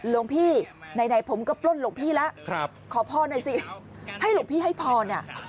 ลงพี่ไหนผมก็ปล้นลงพี่แล้วขอพรหน่อยสิให้ลงพี่ให้พร